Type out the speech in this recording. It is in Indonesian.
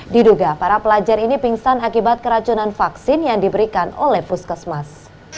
diduga para pelajar ini pingsan akibat keracunan vaksin yang diberikan oleh puskesmas